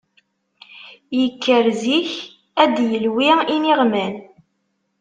Yekker zik ad d-yelwi iniɣman.